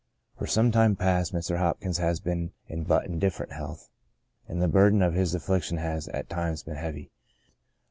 For some time past Mr. Hopkins has been in but indifferent health ; and the bur den of his affliction has, at times, been heavy.